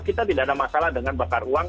kita tidak ada masalah dengan bakar uang